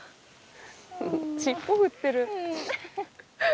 尻尾振ってる。